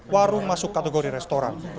warung masuk kategori restoran